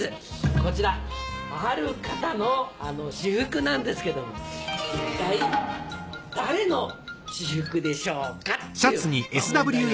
こちらある方の私服なんですけども一体誰の私服でしょうかっていう問題なんですが。